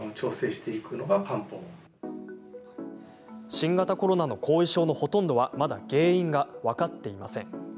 新型コロナの後遺症のほとんどはまだ原因が分かっていません。